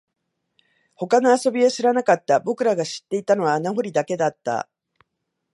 他の遊びは知らなかった、僕らが知っていたのは穴掘りだけだった